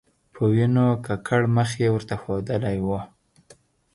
په وینو ککړ مخ یې ورته ښودلی و.